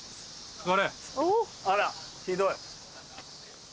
あらひどい。